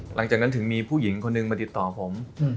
หลังจากนั้นถึงมีผู้หญิงคนหนึ่งมาติดต่อผม